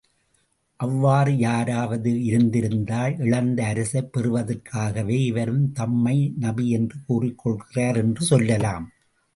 அவ்வாறு யாராவது இருந்திருந்தால், இழந்த அரசைப் பெறுவதற்காகவே, இவரும் தம்மை நபி என்று கூறிக் கொள்கிறார் என்று சொல்லலாம்.